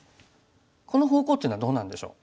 この方向っていうのはどうなんでしょう？